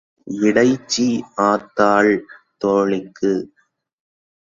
இடைச்சி ஆத்தாள் தோளிக்கு.